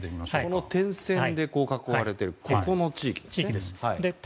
この点線で囲われている地域ですね。